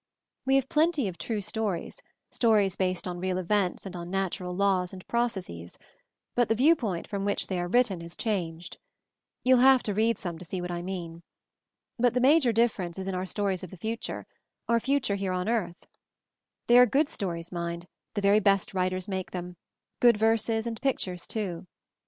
"We have plenty of 'true stories,' stories based on real events and on natural laws and processes; but the viewpoint from which they are written has changed ; you'll have to read some to see what I mean. But the ma jor difference is in our stories of the future, our future here on earth. They are good 208 MOVING THE MOUNTAIN stories, mind, the very best writers make them; good verses and pictures, too.